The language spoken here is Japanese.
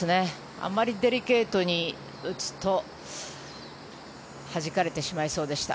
あまりデリケートに打つとはじかれてしまいそうでした。